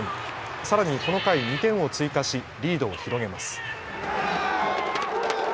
さらにこの回、２点を追加しリードを広げます。